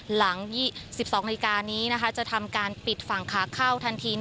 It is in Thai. หลัง๒๒นาฬิกานี้จะทำการปิดฝั่งขาเข้าทันที